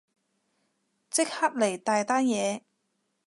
即刻嚟，大單嘢